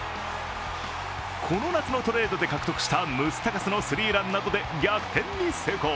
この夏のトレードで獲得したムスタカスのスリーランなどで逆転に成功。